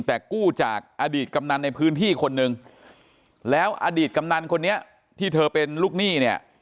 แต่กู้จากอดีตกำนันในพื้นที่คนนึงแล้วอดีตกำนันคนนี้ที่เธอเป็นลูกหนี้เนี่ย